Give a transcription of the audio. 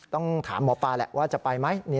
ต้องถามหมอปลาแหละว่าจะไปไหม